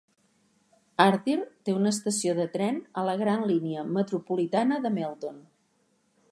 Ardeer té una estació de tren a la gran línia metropolitana de Melton.